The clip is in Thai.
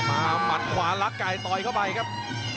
หมัดขวาลักไก่ต่อยเข้าไปครับ